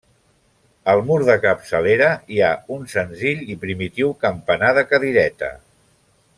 Al mur de capçalera hi ha un senzill i primitiu campanar de cadireta.